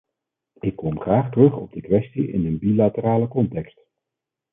Ik kom graag terug op de kwestie in een bilaterale context.